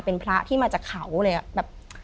เป็นพระที่มาจากเขาเลยอะแบบ